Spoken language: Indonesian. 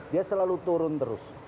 dia selalu turun terus